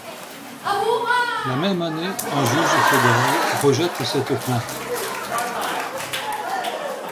La même année, un juge fédéral rejette cette plainte.